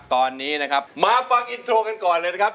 ตอนนี้นะครับมาฟังอินโทรกันก่อนเลยนะครับ